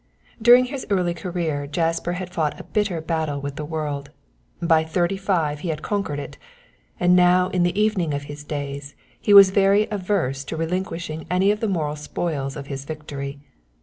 During his early career Jasper had fought a bitter battle with the world; by thirty five he had conquered it, and now in the evening of his days he was very averse to relinquishing any of the moral spoils of his victory.